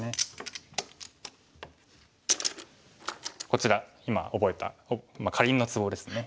こちら今覚えたカリンのツボですね。